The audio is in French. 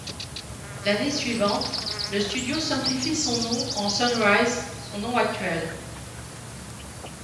L'année suivante, le studio simplifie son nom en Sunrise, son nom actuel.